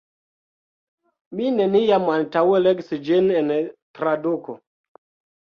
Mi neniam antaŭe legis ĝin en traduko.